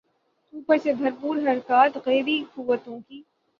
اوپر سے بھرپور حرکات غیبی قوتوں کی۔